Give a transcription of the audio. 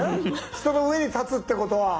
人の上に立つってことは。